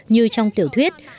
như trong tiểu thuyết